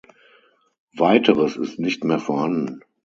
Weiteres ist nicht mehr vorhanden.